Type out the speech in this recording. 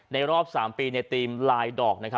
รอบ๓ปีในธีมลายดอก